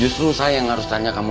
justru saya yang harus tanya kamu